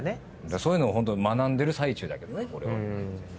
そういうのを学んでる最中だけどね俺は。